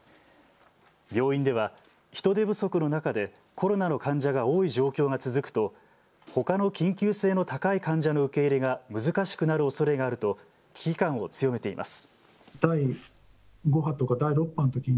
病院では人手不足の中でコロナの患者が多い状況が続くとほかの緊急性の高い患者の受け入れが難しくなるおそれがあると危機感を強めています。